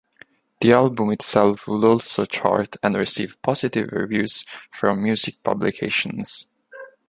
The album itself would also chart and receive positive reviews from music publications.